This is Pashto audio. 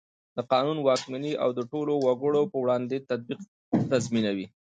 د قانون واکمني او د ټولو وګړو په وړاندې تطبیق تضمینوي.